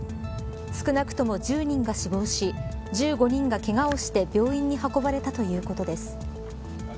少なくとも１０人が死亡し１５人がけがをして病院に運ばれたということです。